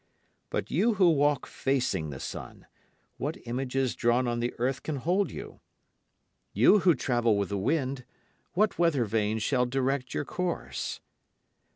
But you who walk facing the sun, what images drawn on the earth can hold you? You who travel with the wind, what weather vane shall direct your course?